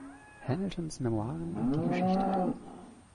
Hamiltons Memoiren und die Geschichte.